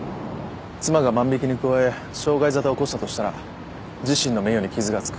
妻が万引に加え傷害沙汰を起こしたとしたら自身の名誉に傷がつく。